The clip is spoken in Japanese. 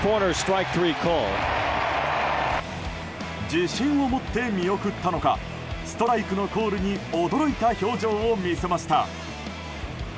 自信を持って見送ったのかストライクのコールに驚いた表情を見せました。